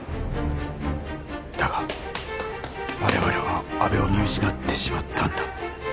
だが我々は阿部を見失ってしまったんだ。